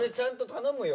頼むよ！